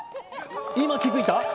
今気付いた。